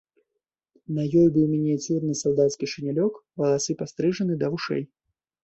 На ёй быў мініяцюрны салдацкі шынялёк, валасы падстрыжаны да вушэй.